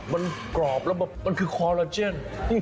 มันกรอบแล้วมันคือคอลลาเจน